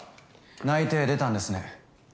・内定出たんですね。